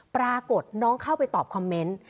ปรากฏน้องเข้าไปตอบคอมเมนต์